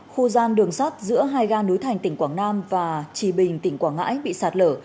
khu gian đường sắt giữa hai ga núi thành tỉnh quảng nam và trì bình tỉnh quảng ngãi bị sạt lở